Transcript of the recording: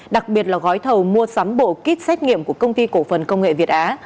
đặc biệt là gói thầu mua sắm bộ kit xét nghiệm của công ty cổ phần công nghệ việt á